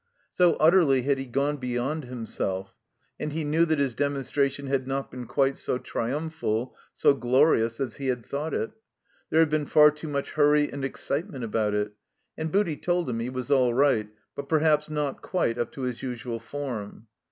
So utterly had he gone beyond himself. And he knew that his demonstration had not been quite so tritmiphal, so glorious as he had thought it. There had been far too much hurry and excitement about it. And Booty told him he was all right, but perhaps not quite up to his usual form.